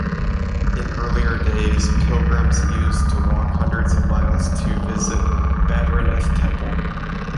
In earlier days, pilgrims used to walk hundreds of miles to visit Badrinath temple.